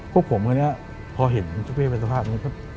พวกผมเมื่อนี้พอเห็นเจ้าเป้เป้เป็นสภาพนี้